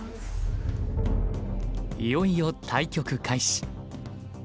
いよいよ対局開始。